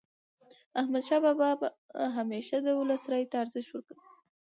احمدشاه بابا به همیشه د ولس رایې ته ارزښت ورکاوه.